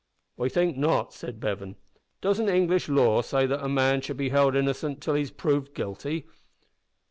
"I think not" said Bevan. "Doesn't English law say that a man should be held innocent till he's proved guilty?"